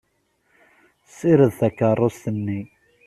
Ssired takeṛṛust-nni.